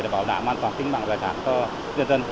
để bảo đảm an toàn tính mạng giai đoạn cho dân dân